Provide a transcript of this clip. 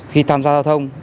khi tham gia giao thông